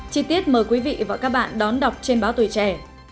chi tiết mời quý vị và các bạn đón đọc trên báo tuổi trẻ